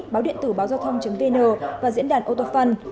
báo điện tử báo giao thông vn và diễn đàn autofun